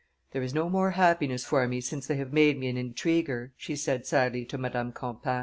"There is no more happiness for me since they have made me an intriguer," she said sadly to Madame Campan.